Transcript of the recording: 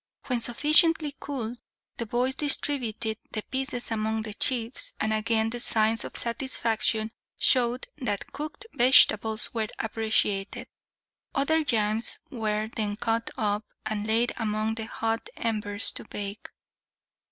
When sufficiently cooled, the boys distributed the pieces among the chiefs, and again the signs of satisfaction showed that cooked vegetables were appreciated. Other yams were then cut up, and laid among the hot embers to bake.